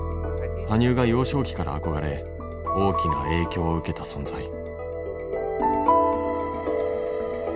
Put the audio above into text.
羽生が幼少期から憧れ大きな影響を受けた存在。